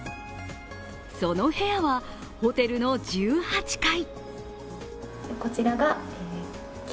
その部屋はホテルの１８階。